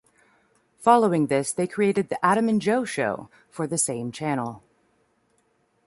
Following this they created "The Adam and Joe Show" for the same channel.